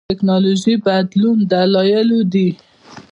ټېکنالوژيکي بدلون دلایلو دي.